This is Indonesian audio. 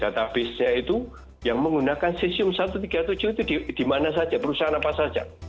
database itu yang menggunakan sesium satu ratus tiga puluh tujuh itu dimana saja perusahaan apa saja